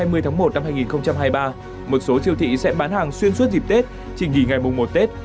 một số siêu thị sẽ bán hàng xuyên suốt dịp tết chỉ nghỉ ngày mùng một tết